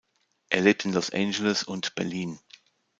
Er lebt in Los Angeles und Berlin.